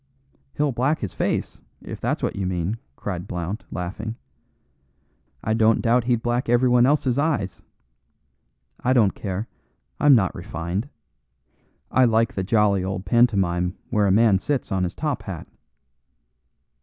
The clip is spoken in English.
"He'll black his face, if that's what you mean," cried Blount, laughing. "I don't doubt he'd black everyone else's eyes. I don't care; I'm not refined. I like the jolly old pantomime where a man sits on his top hat."